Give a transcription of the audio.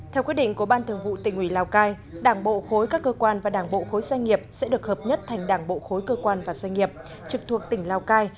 theo quyết định của ban thường vụ tỉnh ủy lào cai đảng bộ khối các cơ quan và đảng bộ khối doanh nghiệp sẽ được hợp nhất thành đảng bộ khối cơ quan và doanh nghiệp trực thuộc tỉnh lào cai